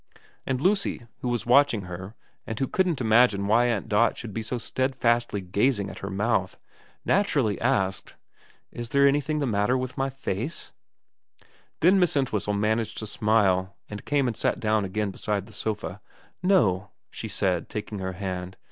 And Lucy, who was watch ing her and who couldn't imagine why Aunt Dot should be so steadfastly gazing at her mouth, naturally asked, ' Is anything the matter with my face ?' 334 VERA XXIX Then Miss Entwhistle managed to smile, and came and sat down again beside the sofa. ' No,' she said, taking her hand.